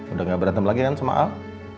udah gak berantem lagi kan sama al